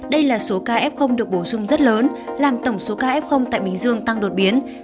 đây là số ca f được bổ sung rất lớn làm tổng số ca f tại bình dương tăng đột biến